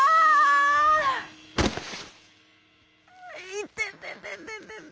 いてててててて」。